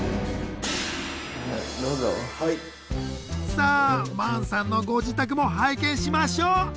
さあマンさんのご自宅も拝見しましょう。